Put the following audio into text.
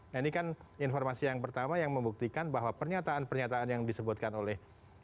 nah ini kan informasi yang pertama yang membuktikan bahwa pernyataan pernyataan yang disebutkan oleh